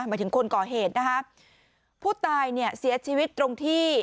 หมายถึงคนก่อเหตุนะคะผู้ตายเนี่ยเสียชีวิตตรงที่